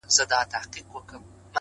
• چي یې لاستی زما له ځان څخه جوړیږي,